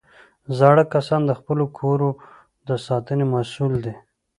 زاړه کسان د خپلو کورو د ساتنې مسؤل دي